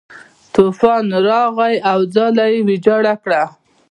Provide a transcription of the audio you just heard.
طوفان راغی او ځاله یې ویجاړه کړه.